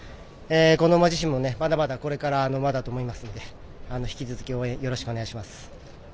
この馬自身もまだまだだと思うので引き続き応援よろしくお願いします。